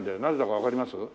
なぜだかわかります？